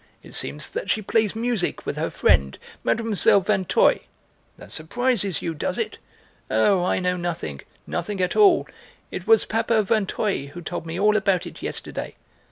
It seems that she plays music with her friend, Mlle. Vinteuil. That surprises you, does it? Oh, I know nothing, nothing at all. It was Papa Vinteuil who told me all about it yesterday.